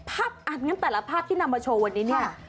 อันนั้นแต่ละภาพที่นำมาโชว์วันนี้เนี่ย